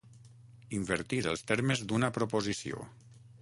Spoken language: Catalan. Invertir els termes d'una proposició.